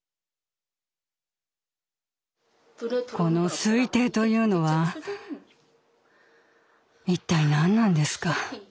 この「推定」というのは一体何なんですか。